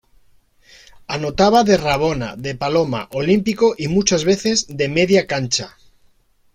Anotaba de rabona, de paloma, olímpico y muchas veces de media cancha.